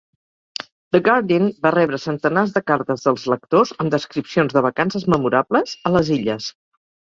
"The Guardian" va rebre centenars de cartes dels lectors amb descripcions de vacances memorables a les illes.